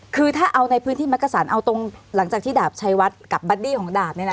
คือถ้าเอาในพื้นที่มักกษันเอาตรงหลังจากที่ดาบชัยวัดกับบัดดี้ของดาบ